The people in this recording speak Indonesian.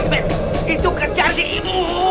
bet itu kerja si ibu